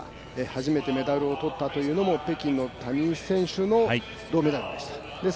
初めてメダルを取ったのも北京の谷井選手の銅メダルでした。